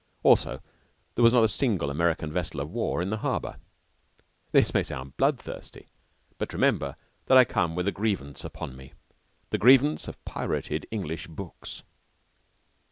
Also, there was not a single American vessel of war in the harbor. This may sound bloodthirsty; but remember, I had come with a grievance upon me the grievance of the pirated English books.